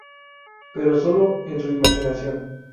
Pero sólo en su imaginación.